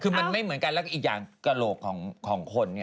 คือมันไม่เหมือนกันแล้วก็อีกอย่างกระโหลกของคน